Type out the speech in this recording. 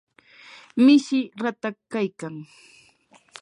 mishii ratakyaykan.